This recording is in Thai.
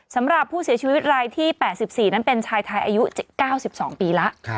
สำหรับผู้เสียชีวิตรายที่๘๔นั้นเป็นชายไทยอายุ๙๒ปีแล้ว